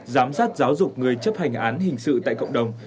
giám sát giáo dục người chấp hành án hình sự tại cộng đồng